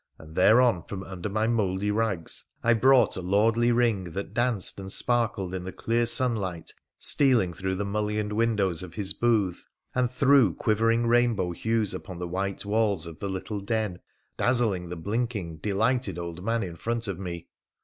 And thereon, from under my mouldy rags, I brought a lordly ring that danced and sparkled in the clear sunlight stealing through the mulhoned windows of his booth, and threw quivering rainbow hues upon the white walls of the little den, dazzling the 136 WONDERFUL ADVENTURES OF blinking, delighted old man in front of me.